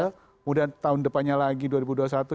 kemudian tahun depannya lagi dua ribu dua puluh satu